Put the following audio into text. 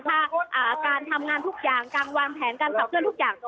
ถ้าการทำงานทุกอย่างการวางแผนการขับเคลื่อนทุกอย่าง